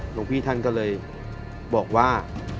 หลวงพี่ท่านก็เลยบอกว่า